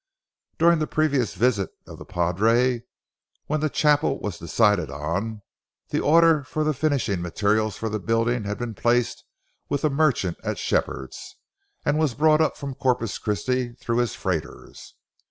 During the previous visit of the padre, when the chapel was decided on, the order for the finishing material for the building had been placed with the merchant at Shepherd's, and was brought up from Corpus Christi through his freighters.